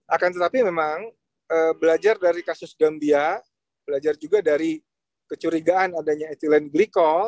akan tetapi memang belajar dari kasus gambia belajar juga dari kecurigaan adanya ethylene glycol